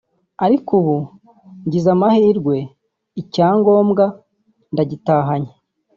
ariko ubu ngize amahirwe icyangombwa ndagitahanye